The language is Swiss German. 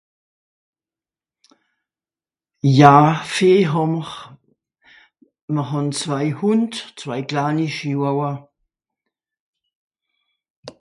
Ja... Vìeh hàà-mr. Mr hàn zwei Hùnd, zwei kleini Chihuahua.